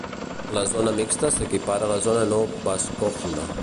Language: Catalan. La Zona mixta s'equipara a la zona no bascòfona.